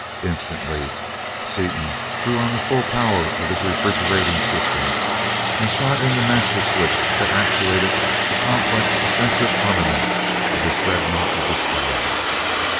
Instantly Seaton threw on the full power of his refrigerating system and shot in the master switch that actuated the complex offensive armament of his dreadnought of the skies.